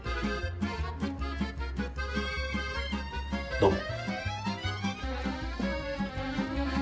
どうも。